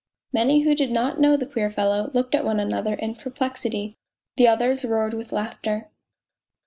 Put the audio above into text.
Many who did not know the queer fellow looked at one another in perplexity, the others roared with laughter.